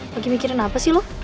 bagi mikirin apa sih lo